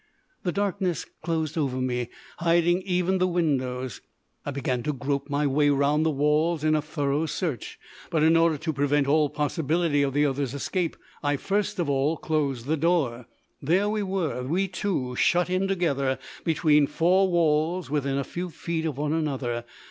The darkness closed over me, hiding even the windows. I began to grope my way round the walls in a thorough search; but in order to prevent all possibility of the other's escape, I first of all closcd the door. There we were, we two, shut in together between four walls, within a few feet of one another.